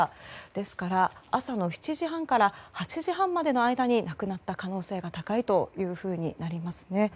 ですから、朝の７時半から８時半までの間に亡くなった可能性が高いというふうになりますね。